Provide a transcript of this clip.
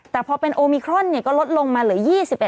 แต่พอเป็นโอมิครอนก็ลดลงมาเหลือ๒๑